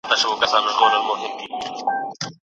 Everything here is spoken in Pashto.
حضرت سلیمان عليه السلام داسي زوی پېژندل